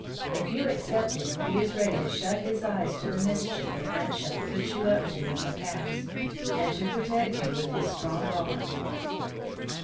If you accept it he is ready to shut his eyes to the mischief the French have put you up to in the past, and to protect you with his strong arm."